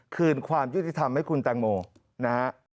คืนความยุติธรรมให้คุณแตงโมนะฮะ